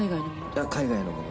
海外のもの？